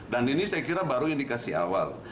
dan ini saya kira baru indikasi awal